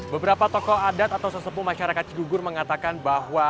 beberapa tokoh adat atau sesepuh masyarakat cigugur mengatakan bahwa